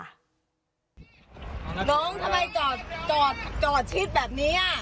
น้องทำไมจอดชีดแบบนี้อ่ะ